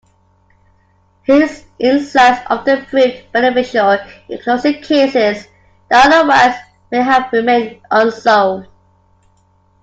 His insights often proved beneficial in closing cases that otherwise may have remained unsolved.